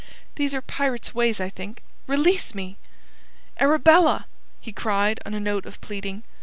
"These are pirate's ways, I think! Release me!" "Arabella!" he cried on a note of pleading.